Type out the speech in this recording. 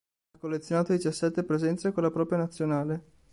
Ha collezionato diciassette presenze con la propria nazionale.